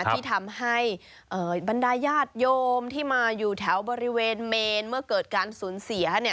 ที่ทำให้บรรดายญาติโยมที่มาอยู่แถวบริเวณเมนเมื่อเกิดการสูญเสีย